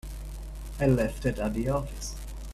I left it at the office.